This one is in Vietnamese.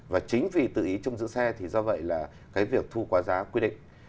và chính vì tự ý trong giữ xe thì do vậy là cái việc thu quả giá quy định